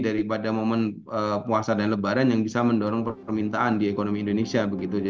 daripada momen puasa dan lebaran yang bisa mendorong permintaan di ekonomi indonesia